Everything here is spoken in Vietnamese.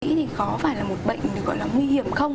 mỹ thì có phải là một bệnh được gọi là nguy hiểm không